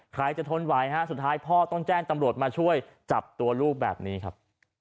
ใครจะทนไหวฮะสุดท้ายพ่อต้องแจ้งตำรวจมาช่วยจับตัวลูกแบบนี้ครับ